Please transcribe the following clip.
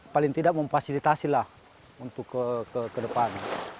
paling tidak memfasilitasilah untuk ke depan